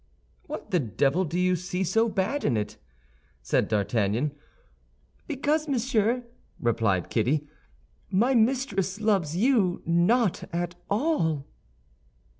"What the devil do you see so bad in it?" said D'Artagnan. "Because, monsieur," replied Kitty, "my mistress loves you not at all."